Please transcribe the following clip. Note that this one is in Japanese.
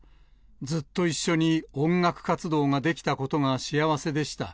ずっと一緒に音楽活動ができたことが幸せでした。